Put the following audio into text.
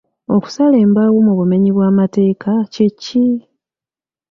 Okusala embaawo mu bumenyi bw'amateeka kye ki?